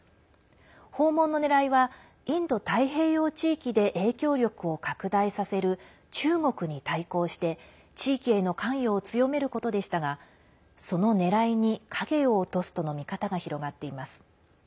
訪問のねらいはインド太平洋地域で影響力を拡大させる中国に対抗して地域への関与を強めることでしたがそのねらいに影を落とすとの見方が広がっています。